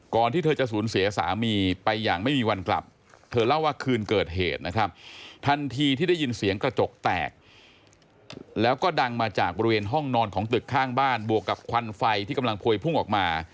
ที่เธอจะสูญเสียสามีไปอย่างไม่มีวันกลับเธอเล่าว่าคืนเกิดเหตุนะครับทันทีที่ได้ยินเสียงกระจกแตกแล้วก็ดังมาจากบริเวณห้องนอนของตึกข้างบ้านบวกกับควันไฟที่กำลังพวยพุ่งออกมา